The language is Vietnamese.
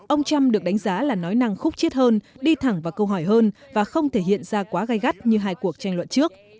ông trump được đánh giá là nói năng khúc chiết hơn đi thẳng vào câu hỏi hơn và không thể hiện ra quá gai gắt như hai cuộc tranh luận trước